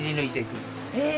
へえ！